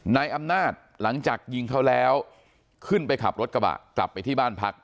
นายอำนาจหลังจากยิงเขาแล้วขึ้นไปขับรถกระบะกลับไปที่บ้านพัก